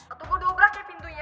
atau gue dobrak ya pintunya